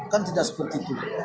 kan tidak seperti itu